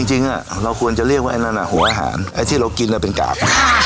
จริงเราควรจะเรียกว่าไอ้นั่นหัวอาหารไอ้ที่เรากินเป็นกาก